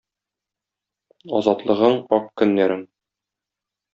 Азатлыгың - ак көннәрең